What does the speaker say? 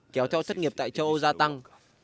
kéo theo thất nghiệp tại châu âu gia tăng